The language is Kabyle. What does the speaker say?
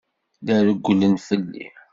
La rewwlen fell-i.